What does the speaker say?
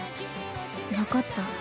分かった。